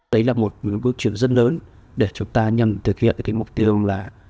đấy là một bước chuyển rất lớn để chúng ta nhằm thực hiện cái mục tiêu là